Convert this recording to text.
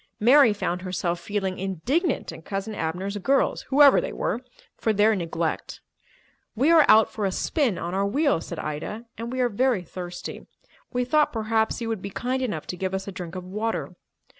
Mary found herself feeling indignant at Cousin Abner's girls, whoever they were, for their neglect. "We are out for a spin on our wheels," said Ida, "and we are very thirsty. We thought perhaps you would be kind enough to give us a drink of water."